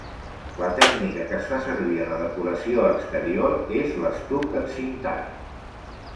La tècnica que es va fer servir a la decoració exterior és l'estuc encintat.